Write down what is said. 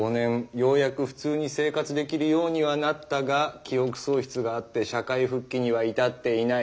ようやく普通に生活できるようにはなったが記憶喪失があって社会復帰には至っていない。